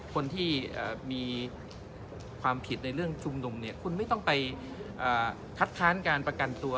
คนที่มีความผิดในเรื่องชุมนุมเนี่ยคุณไม่ต้องไปคัดค้านการประกันตัว